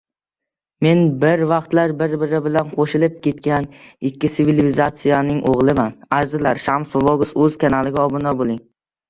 Men, bir vaqtlar bir-biri bilan qo‘shilib ketgan ikki tsivilizatsiyaning o‘g‘liman.